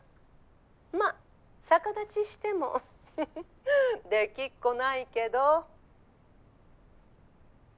まっ逆立ちしてもフフッできっこないけど。